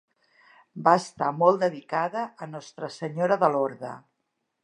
Va estar molt dedicada a Nostra Senyora de Lorda.